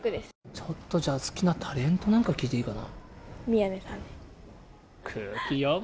ちょっとじゃあ、好きなタレントなんか聞いていいかな？